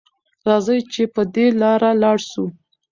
راځئ چې په دې لاره لاړ شو.